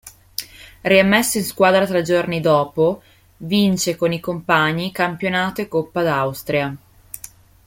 Riammesso in squadra tre giorni dopo, vince con i compagni campionato e Coppa d'Austria.